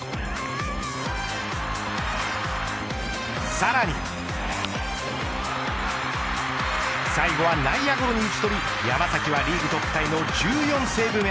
さらに最後は内野ゴロに打ち取り山崎はリーグトップタイの１４セーブ目。